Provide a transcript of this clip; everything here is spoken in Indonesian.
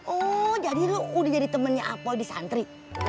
oh jadi lu udah jadi temennya apel di santri